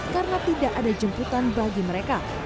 karena tidak ada jemputan bagi mereka